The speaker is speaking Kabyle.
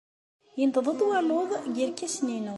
Yenṭeḍ-d waluḍ deg yerkasen-inu.